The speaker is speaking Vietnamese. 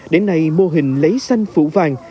đến nay mô hình lấy xanh phủ vàng